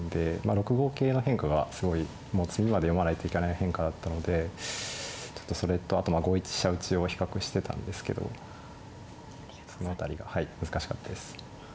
６五桂の変化がすごいもう詰みまで読まないといけない変化だったのでちょっとそれとあと５一飛車打を比較してたんですけどその辺りがはい難しかったです。